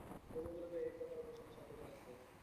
তবুও বলিব, এই প্রকারের উপাসনার সার্থকতা আছে।